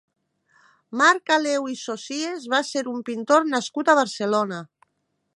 Marc Aleu i Socies va ser un pintor nascut a Barcelona.